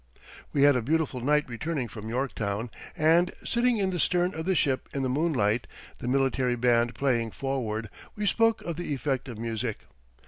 We had a beautiful night returning from Yorktown, and, sitting in the stern of the ship in the moonlight, the military band playing forward, we spoke of the effect of music.